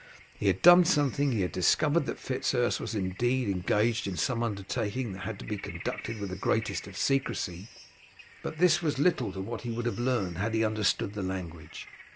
He had done something, he had discovered that Fitz Urse was indeed engaged in some undertaking that had to be conducted with the greatest secrecy; but this was little to what he would have learned had he understood the language.